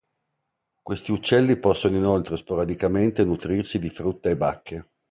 Questi uccelli possono inoltre sporadicamente nutrirsi di frutta e bacche.